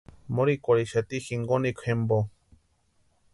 Morhikwarhixati jinkonikwa jempo.